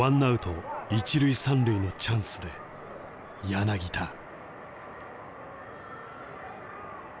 １アウト一塁三塁のチャンスで柳田。